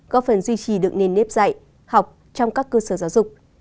có phần duy trì được nền nếp dạy học trong các cơ sở giáo dục